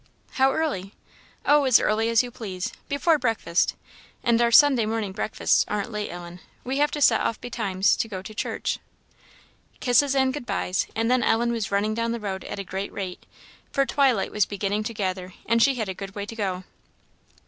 "How early?" "Oh, as early as you please before breakfast and our Sunday morning breakfasts aren't late, Ellen; we have to set off betimes to go to church." Kisses and good byes; and then Ellen was running down the road at a great rate; for twilight was beginning to gather, and she had a good way to go.